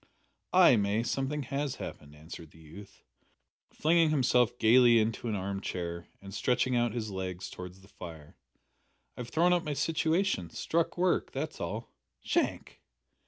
"Ay, May, something has happened," answered the youth, flinging himself gaily into an arm chair and stretching out his legs towards the fire; "I have thrown up my situation. Struck work. That's all." "Shank!"